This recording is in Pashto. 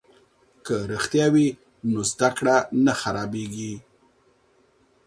که رښتیا وي نو زده کړه نه خرابیږي.